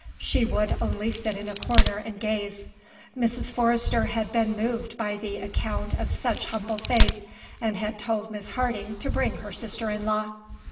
She would only sit in a corner and gaze. Mrs. Forrester had been moved by the account of such humble faith and had told Miss Harding to bring her sister in law.